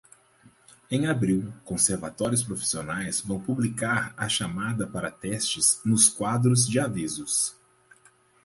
Em abril, conservatórios profissionais vão publicar a chamada para testes nos quadros de avisos.